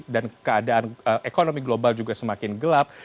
dan keadaan ekonomi global juga semakin gelap